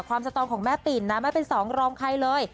สตองของแม่ปิ่นนะไม่เป็นสองรองใครเลย